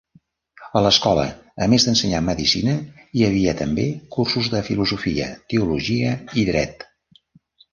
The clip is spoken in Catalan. A l'Escola a més d'ensenyar medicina hi havia també cursos de filosofia, teologia i Dret.